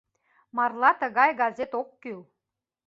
Марла тыгай газет ок кӱл.